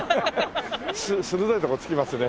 鋭いとこ突きますね。